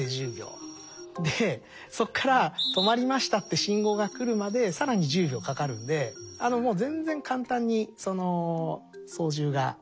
でそこから「止まりました」って信号が来るまで更に１０秒かかるんでもう全然簡単に操縦が地上からはできません。